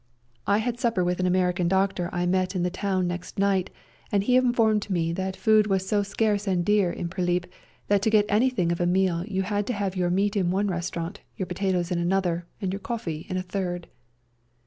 I had supper with an REJOINING THE SERBIANS 11 American doctor I met in the town next night, and he informed me that food was so scarce and dear in Prihp that to get anything of a meal you had to have your meat in one restaurant, your pota toes in another, and your coffee in a third